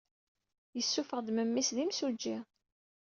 Yessuffeɣ-d memmi-s d imsujji.